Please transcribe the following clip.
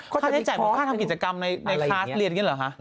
ค่าใช้จ่ายค่าทำกิจกรรมในคลาสเรียนอย่างนี้เหรอคะอะไรอย่างนี้